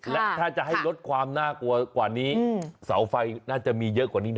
และถ้าจะให้ลดความน่ากลัวกว่านี้เสาไฟน่าจะมีเยอะกว่านี้นะ